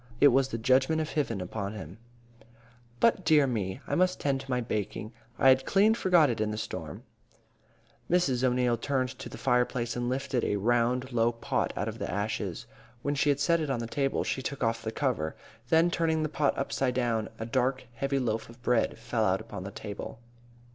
It was the judgment of Hiven upon him. "But, dear me! I must tend to my baking. I had clean forgot it in the storm." Mrs. O'Neil turned to the fireplace and lifted a round, low pot out of the ashes. When she had set it on the table, she took off the cover. Then, turning the pot upside down, a dark, heavy loaf of bread fell out upon the table.